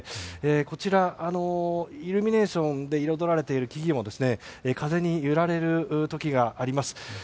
こちら、イルミネーションで彩られている木々も風に揺られる時があります。